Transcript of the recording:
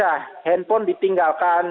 ya handphone ditinggalkan